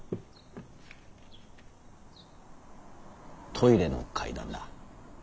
トイレの怪談だ。